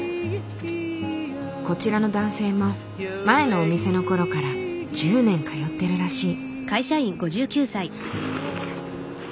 こちらの男性も前のお店の頃から１０年通ってるらしい。